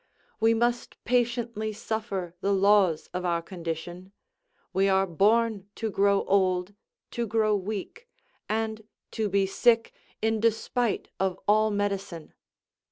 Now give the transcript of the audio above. We must patiently suffer the laws of our condition; we are born to grow old, to grow weak, and to be sick, in despite of all medicine.